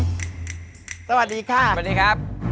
สวัสดีค่ะสวัสดีครับสวัสดีครับสวัสดี